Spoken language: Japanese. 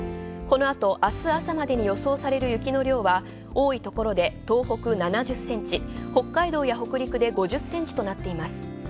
このあと明日朝までに予想される雪の量は多いところで東北７０センチ、北海道や北陸で５０センチとなっています。